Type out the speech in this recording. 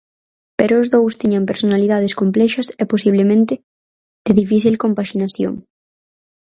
Pero os dous tiñan personalidades complexas e posiblemente de difícil compaxinación.